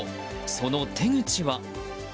その手口は？